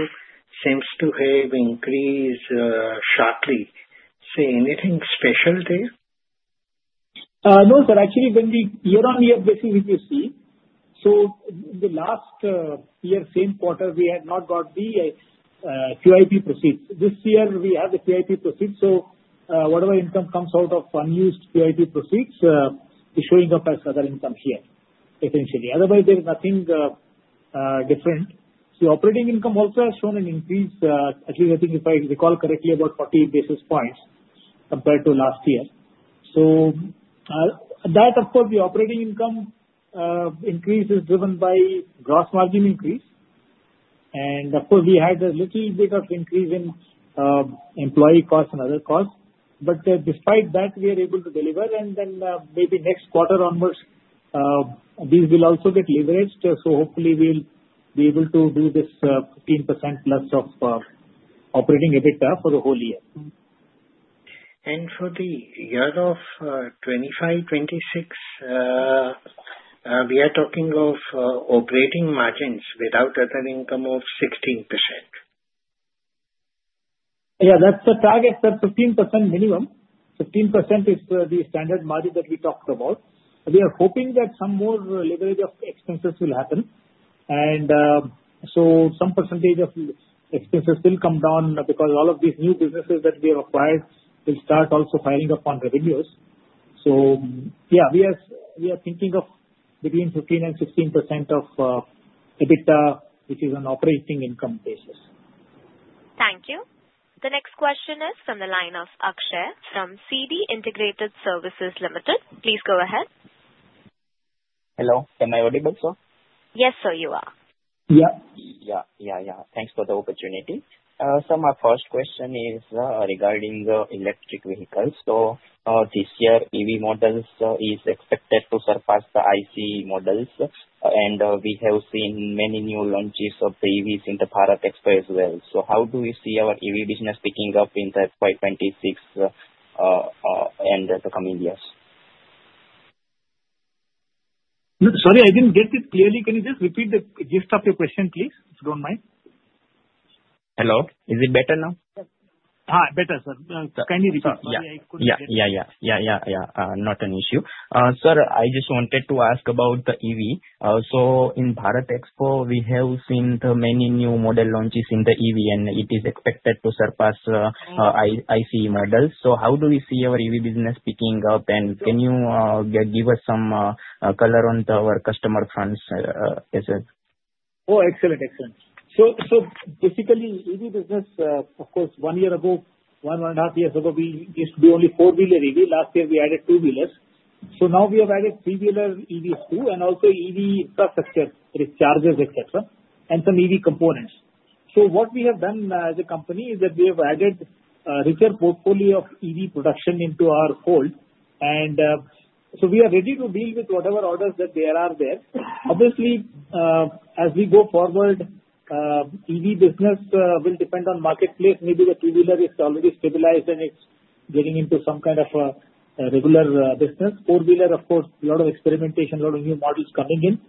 seems to have increased sharply. Say anything special there? No, sir. Actually, when we year-on-year basis, if you see, so the last year, same quarter, we had not got the QIP proceeds. This year, we have the QIP proceeds. So whatever income comes out of unused QIP proceeds is showing up as other income here, essentially. Otherwise, there is nothing different. The operating income also has shown an increase, at least I think, if I recall correctly, about 40 basis points compared to last year. So that, of course, the operating income increase is driven by gross margin increase. And of course, we had a little bit of increase in employee costs and other costs. But despite that, we are able to deliver. And then maybe next quarter onwards, these will also get leveraged. So hopefully, we'll be able to do this 15%+ of operating EBITDA for the whole year. For the year 2025-2026, we are talking of operating margins without other income of 16%. Yeah. That's the target, sir, 15% minimum. 15% is the standard margin that we talked about. We are hoping that some more leverage of expenses will happen, and so some percentage of expenses will come down because all of these new businesses that we have acquired will start also piling up on revenues, so yeah, we are thinking of between 15% and 16% of EBITDA, which is an operating income basis. Thank you. The next question is from the line of Akshay from C D Integrated Services Limited. Please go ahead. Hello. Am I audible, sir? Yes, sir, you are. Thanks for the opportunity. Sir, my first question is regarding electric vehicles, so this year, EV models are expected to surpass the ICE models. And we have seen many new launches of EVs in the Bharat Expo as well. So how do you see our EV business picking up in the FY 2026 and the coming years? Sorry, I didn't get it clearly. Can you just repeat the gist of your question, please? If you don't mind. Hello. Is it better now? better, sir. Can you repeat? Yeah. Not an issue. Sir, I just wanted to ask about the EV. So in Bharat Expo, we have seen many new model launches in the EV, and it is expected to surpass ICE models. So how do we see our EV business picking up? And can you give us some color on our customer front, sir? Oh, excellent. Excellent. So basically, EV business, of course, one year ago, one and a half years ago, we used to be only four-wheeler EV. Last year, we added two-wheelers. So now we have added three-wheeler EVs too, and also EV infrastructure, which is chargers, etc., and some EV components. So what we have done as a company is that we have added an entire portfolio of EV production into our fold. And so we are ready to deal with whatever orders that there are there. Obviously, as we go forward, EV business will depend on marketplace. Maybe the two-wheeler is already stabilized, and it's getting into some kind of a regular business. Four-wheeler, of course, a lot of experimentation, a lot of new models coming in.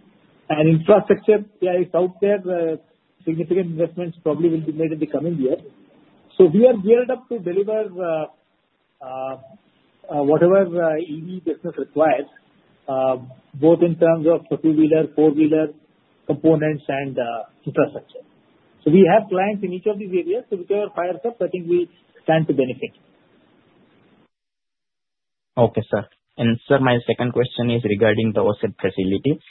And infrastructure, yeah, it's out there. Significant investments probably will be made in the coming years. So we are geared up to deliver whatever EV business requires, both in terms of two-wheeler, four-wheeler components, and infrastructure. So we have clients in each of these areas. So whichever fires up, I think we stand to benefit. Okay, sir. And sir, my second question is regarding the OSAT facility.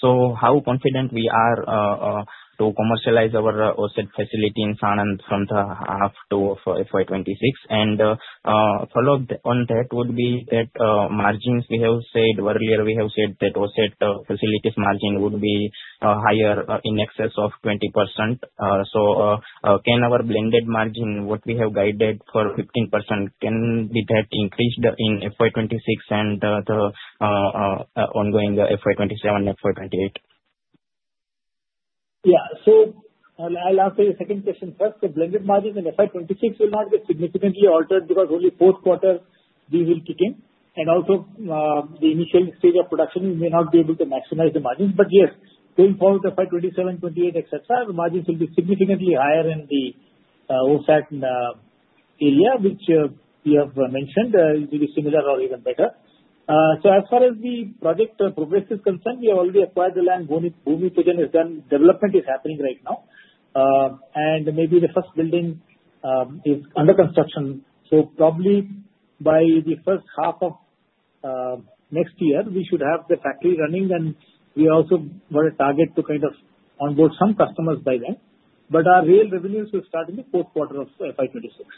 So how confident we are to commercialize our OSAT facility in Sanand from the half to FY 2026? And follow-up on that would be that margins, we have said earlier, we have said that OSAT facilities' margin would be higher in excess of 20%. So can our blended margin, what we have guided for 15%, can be that increased in FY 2026 and the ongoing FY 2027, FY 2028? Yeah. So I'll answer your second question first. The blended margin in FY 2026 will not get significantly altered because only fourth quarter we will kick in. And also, the initial stage of production, we may not be able to maximize the margins. But yes, going forward to FY 2027, 28, etc., the margins will be significantly higher in the OSAT area, which we have mentioned will be similar or even better. So as far as the project progress is concerned, we have already acquired the land. Bhoomi Pujan has done. Development is happening right now. And maybe the first building is under construction. So probably by the first half of next year, we should have the factory running. And we also want to target to kind of onboard some customers by then. But our real revenues will start in the fourth quarter of FY 2026.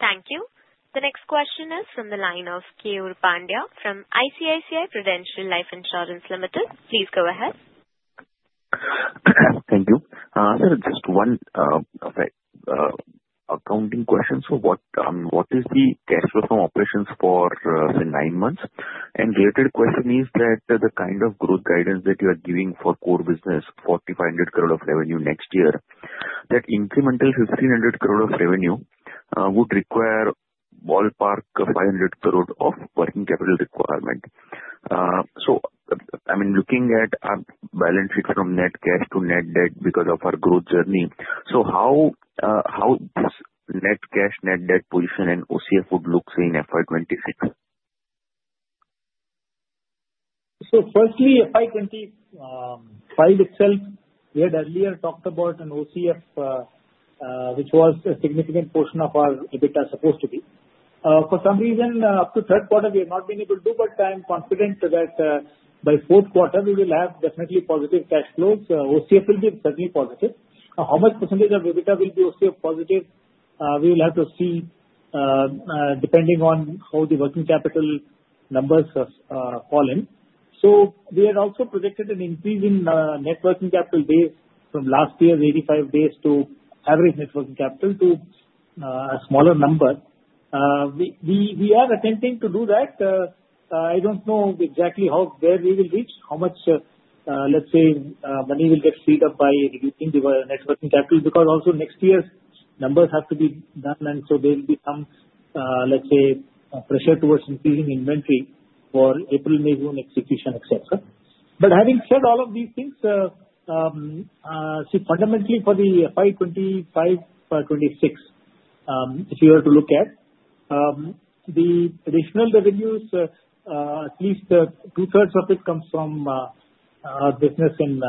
Thank you. The next question is from the line of Nikhil Pandya from ICICI Prudential Life Insurance Limited. Please go ahead. Thank you. There is just one accounting question. So what is the cash flow from operations for, say, nine months? And related question is that the kind of growth guidance that you are giving for core business, 4,500 crore of revenue next year, that incremental 1,500 crore of revenue would require ballpark 500 crore of working capital requirement. So I mean, looking at our balance sheet from net cash to net debt because of our growth journey, so how this net cash, net debt position and OCF would look in FY 2026? So, firstly, FY 2025 itself, we had earlier talked about an OCF, which was a significant portion of our EBITDA supposed to be. For some reason, up to third quarter, we have not been able to do. But I am confident that by fourth quarter, we will have definitely positive cash flows. OCF will be certainly positive. How much percentage of EBITDA will be OCF positive, we will have to see depending on how the working capital numbers fall in. So we had also predicted an increase in net working capital days from last year's 85 days to average net working capital to a smaller number. We are attempting to do that. I don't know exactly where we will reach, how much, let's say, money will get freed up by reducing the net working capital because also next year's numbers have to be done. There will be some, let's say, pressure towards increasing inventory for April, May, June execution, etc. But having said all of these things, fundamentally for the FY 2025, FY 2026, if you were to look at the additional revenues, at least 2/3 of it comes from our business in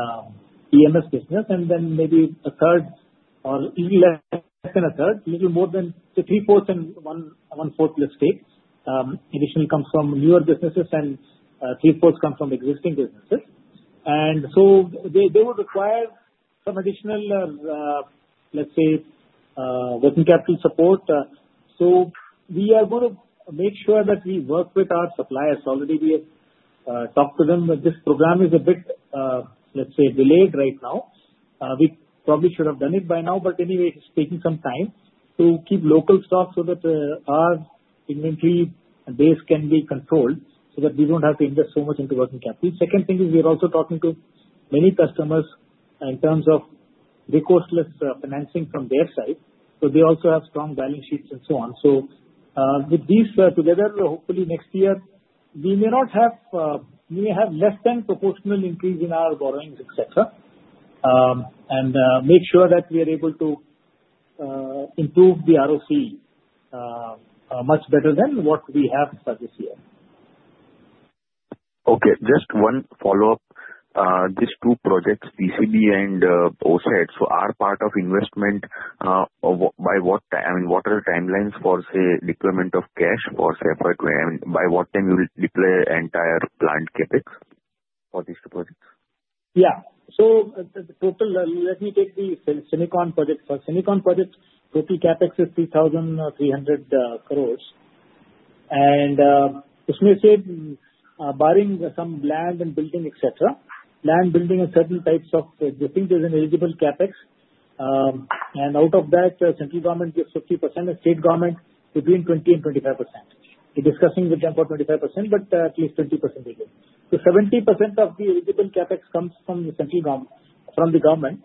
EMS business. And then maybe a third or even less than a 1/3, a little more than 3/4 and 1/4, let's say, additional comes from newer businesses, and 3/4 come from existing businesses. And so they will require some additional, let's say, working capital support. So we are going to make sure that we work with our suppliers. Already, we have talked to them. This program is a bit, let's say, delayed right now. We probably should have done it by now. But anyway, it's taking some time to keep local stock so that our inventory base can be controlled so that we don't have to invest so much into working capital. Second thing is we are also talking to many customers in terms of recourse-less financing from their side. So they also have strong balance sheets and so on. So with these together, hopefully next year, we may have less than proportional increase in our borrowings, etc., and make sure that we are able to improve the ROCE much better than what we have for this year. Okay. Just one follow-up. These two projects, PCB and OSAT, so are part of investment by what time? I mean, what are the timelines for, say, deployment of cash for FY 2020? I mean, by what time you will deploy the entire plant CapEx for these two projects? Yeah, so let me take the Semicon project. For Semicon project, total CapEx is INR 3,300 crores. And it's basically barring some land and building, etc., land building and certain types of things, there's an eligible CapEx. And out of that, the central government gives 50% and state government between 20% and 25%. We're discussing with them for 25%, but at least 20% we give, so 70% of the eligible CapEx comes from the government.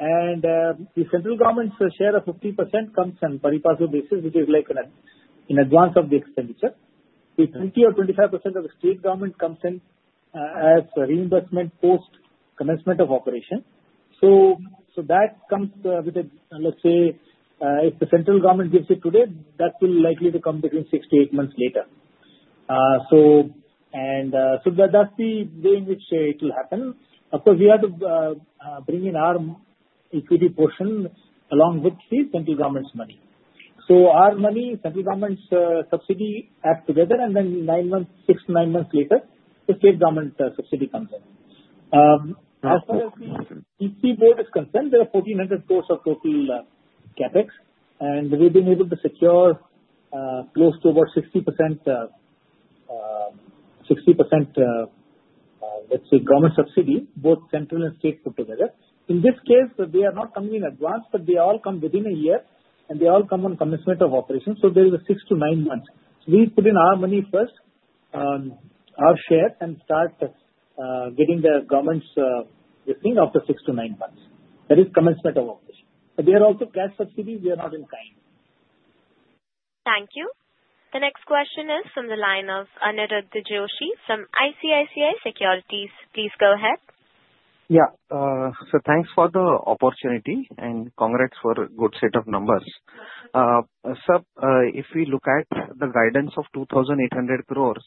And the central government's share of 50% comes on a pari passu basis, which is like in advance of the expenditure. The 20% or 25% of the state government comes in as reimbursement post commencement of operation, so that comes with, let's say, if the central government gives it today, that will likely come between six to eight months later. And so that's the way in which it will happen. Of course, we have to bring in our equity portion along with the central government's money. So our money, central government's subsidy adds together, and then six-to-nine months later, the state government subsidy comes in. As far as the PCB is concerned, there are 1,400 crores of total Capex. And we've been able to secure close to about 60%, let's say, government subsidy, both central and state put together. In this case, they are not coming in advance, but they all come within a year, and they all come on commencement of operations. So there is a six-to-nine months. So we put in our money first, our share, and start getting the government's thing after six-to-nine months. That is commencement of operation. But there are also cash subsidies. We are not in kind. Thank you. The next question is from the line of Aniruddha Joshi from ICICI Securities. Please go ahead. Yeah. So thanks for the opportunity and congrats for a good set of numbers. Sir, if we look at the guidance of 2,800 crores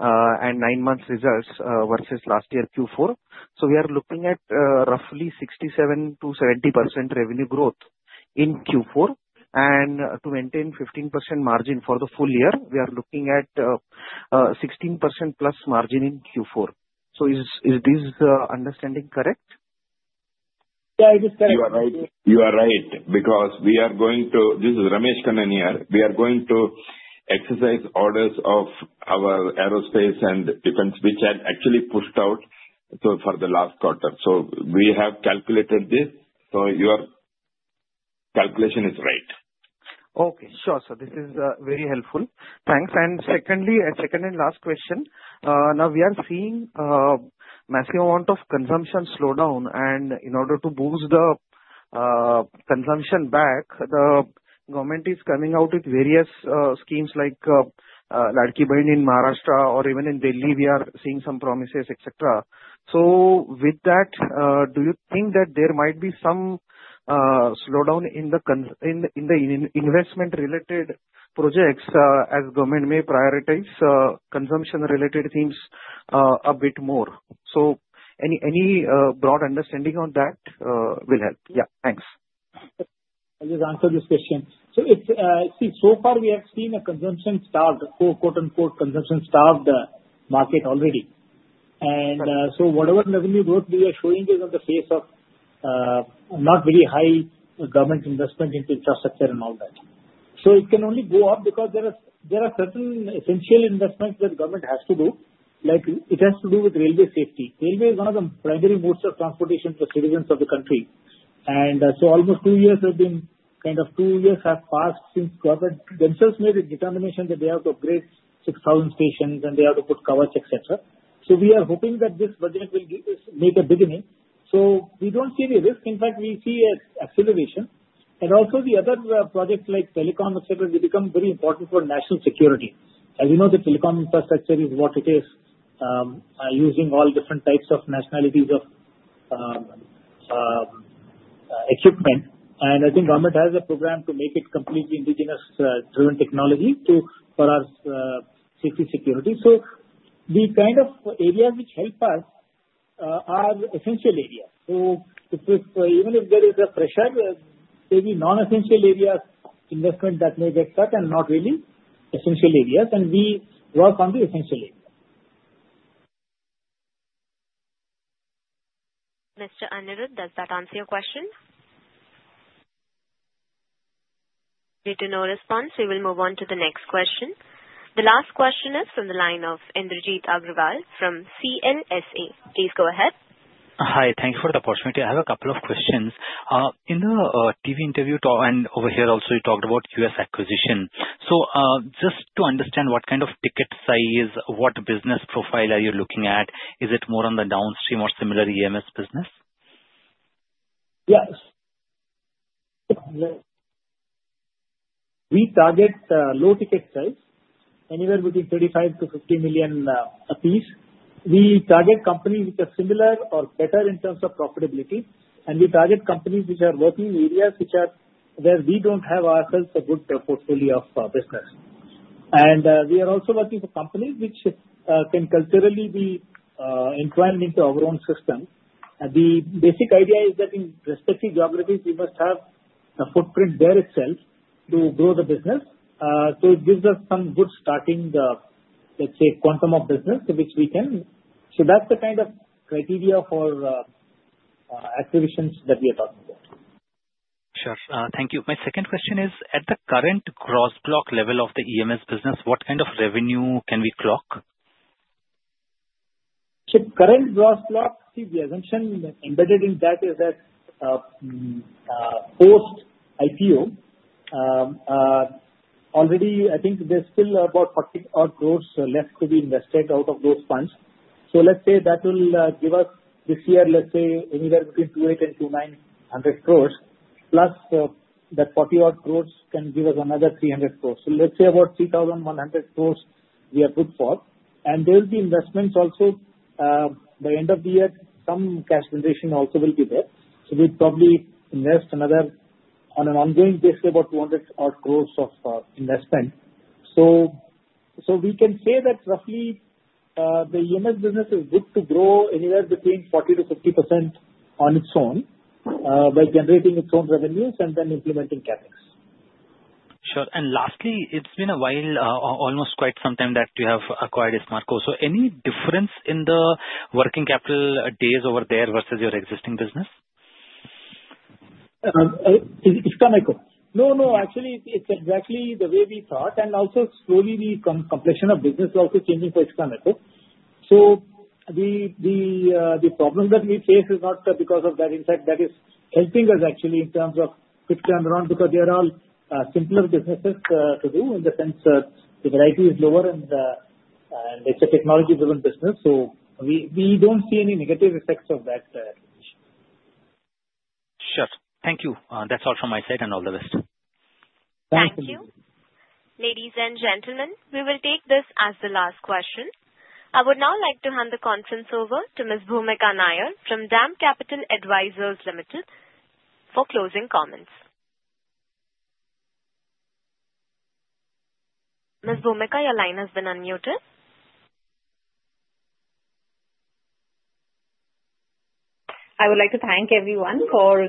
and nine-month results versus last year Q4, so we are looking at roughly 67%-70% revenue growth in Q4. And to maintain 15% margin for the full year, we are looking at 16%+ margin in Q4. So is this understanding correct? Yeah, it is correct. You are right. You are right because we are going to, this is Ramesh Kunhikannan here. We are going to exercise orders of our aerospace and defense, which had actually pushed out for the last quarter. So we have calculated this. So your calculation is right. Okay. Sure, sir. This is very helpful. Thanks. And secondly, a second and last question. Now, we are seeing a massive amount of consumption slowdown. And in order to boost the consumption back, the government is coming out with various schemes like Ladki Bahin Yojana in Maharashtra or even in Delhi. We are seeing some promises, etc. So with that, do you think that there might be some slowdown in the investment-related projects as government may prioritize consumption-related themes a bit more? So any broad understanding on that will help. Yeah. Thanks. I'll just answer this question. So see, so far, we have seen a consumption stalled, quote-unquote, "consumption stalled" market already. And so whatever revenue growth we are showing is on the face of not very high government investment into infrastructure and all that. So it can only go up because there are certain essential investments that government has to do. It has to do with railway safety. Railway is one of the primary modes of transportation for citizens of the country. And so kind of two years have passed since government themselves made a determination that they have to upgrade 6,000 stations, and they have to put Kavach, etc. So we are hoping that this budget will make a beginning. So we don't see any risk. In fact, we see an acceleration. And also, the other projects like telecom, etc., will become very important for national security. As you know, the telecom infrastructure is what it is, using all different types of nationalities of equipment. And I think government has a program to make it completely indigenous-driven technology for our safety security. So the kind of areas which help us are essential areas. So even if there is a pressure, maybe non-essential areas investment that may get stuck and not really essential areas. And we work on the essential areas. Mr. Aniruddha, does that answer your question? We do not respond. We will move on to the next question. The last question is from the line of Indrajit Agarwal from CLSA. Please go ahead. Hi. Thank you for the opportunity. I have a couple of questions. In the TV interview and over here also, you talked about U.S. acquisition. So just to understand, what kind of ticket size, what business profile are you looking at? Is it more on the downstream or similar EMS business? Yes. We target low-ticket size, anywhere between 35 million to 50 million a piece. We target companies which are similar or better in terms of profitability. And we target companies which are working in areas where we don't have ourselves a good portfolio of business. And we are also working for companies which can culturally be entwined into our own system. The basic idea is that in respective geographies, we must have a footprint there itself to grow the business. So it gives us some good starting, let's say, quantum of business which we can. So that's the kind of criteria for acquisitions that we are talking about. Sure. Thank you. My second question is, at the current gross block level of the EMS business, what kind of revenue can we clock? Current gross block. See, the assumption embedded in that is that post-IPO, already, I think there's still about 40-odd crores left to be invested out of those funds. So let's say that will give us this year, let's say, anywhere between 2800 and 2900 crores, plus that 40-odd crores can give us another 300 crores. So let's say about 3,100 crores we are good for, and there will be investments also by end of the year. Some cash generation also will be there. So we'd probably invest another on an ongoing basis, about 200-odd crores of investment. So we can say that roughly the EMS business is good to grow anywhere between 40%-50% on its own by generating its own revenues and then implementing CapEx. Sure. And lastly, it's been a while, almost quite some time that you have acquired Iskraemeco. So any difference in the working capital days over there versus your existing business? Iskraemeco. No, no. Actually, it's exactly the way we thought, and also, slowly, the complexion of business is also changing for Iskraemeco, so the problem that we face is not because of that. In fact, that is helping us actually in terms of quick turnaround because they are all simpler businesses to do in the sense that the variety is lower, and it's a technology-driven business, so we don't see any negative effects of that. Sure. Thank you. That's all from my side and all the rest. Thank you. Thank you. Ladies and gentlemen, we will take this as the last question. I would now like to hand the conference over to Ms. Bhumika Nair from DAM Capital Advisors Limited for closing comments. Ms. Bhumika, your line has been unmuted. I would like to thank everyone for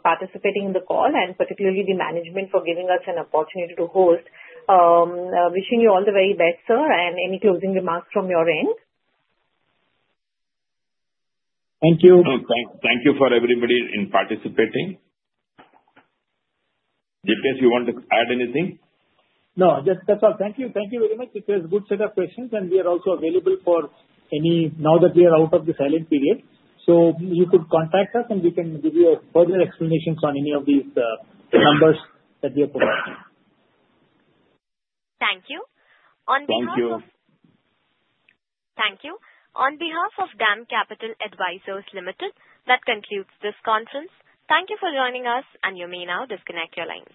participating in the call and particularly the management for giving us an opportunity to host. Wishing you all the very best, sir, and any closing remarks from your end? Thank you. Okay. Thank you for everybody in participating. JPS, you want to add anything? No, that's all. Thank you. Thank you very much. It was a good set of questions, and we are also available for any now that we are out of the silent period, so you could contact us, and we can give you further explanations on any of these numbers that we are providing. Thank you. On behalf of. Thank you. Thank you. On behalf of DAM Capital Advisors Limited, that concludes this conference. Thank you for joining us, and you may now disconnect your lines.